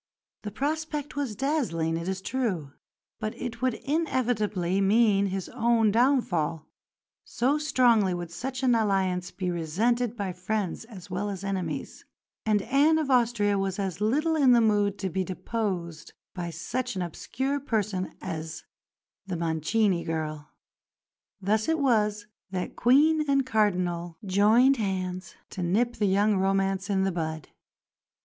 The prospect was dazzling, it is true, but it would inevitably mean his own downfall, so strongly would such an alliance be resented by friends as well as enemies; and Anne of Austria was as little in the mood to be deposed by such an obscure person as the "Mancini girl." Thus it was that Queen and Cardinal joined hands to nip the young romance in the bud.